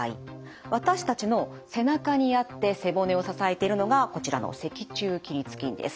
私たちの背中にあって背骨を支えているのがこちらの脊柱起立筋です。